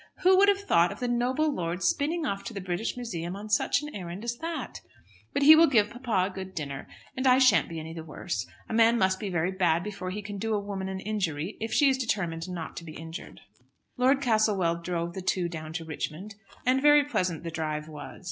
"Who would have thought of the noble lord spinning off to the British Museum on such an errand as that! But he will give papa a good dinner, and I shan't be any the worse. A man must be very bad before he can do a woman an injury if she is determined not to be injured." Lord Castlewell drove the two down to Richmond, and very pleasant the drive was.